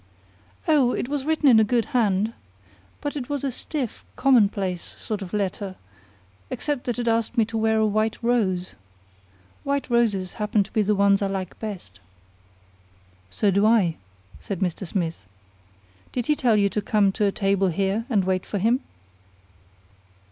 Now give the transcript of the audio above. "Oh, it was written in a good hand. But it was a stiff, commonplace sort of letter, except that it asked me to wear a white rose. White roses happen to be the ones I like best." "So do I," said Mr. Smith. "Did he tell you to come to a table here and wait for him?"